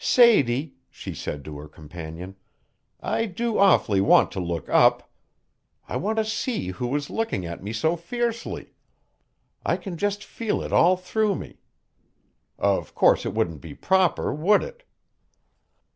"Sadie," she said to her companion, "I do awfully want to look up. I want to see who is looking at me so fiercely. I can just feel it all through me. Of course it wouldn't be proper, would it?"